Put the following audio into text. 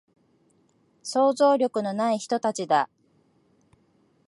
想像力のない人たちだ